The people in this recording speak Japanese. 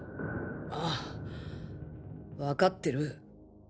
ああわかってる。